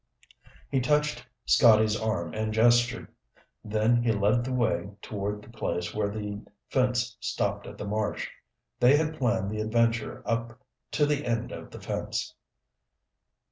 He touched Scotty's arm and gestured. Then he led the way toward the place where the fence stopped at the marsh. They had planned the adventure up to the end of the fence.